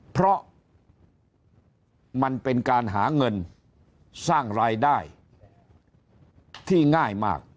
เพราะมันเป็นการหาเงินสร้างรายได้ที่ง่ายมาก